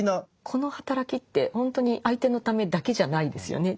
この働きってほんとに相手のためだけじゃないですよね。